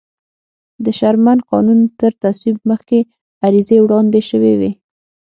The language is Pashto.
د شرمن قانون تر تصویب مخکې عریضې وړاندې شوې وې.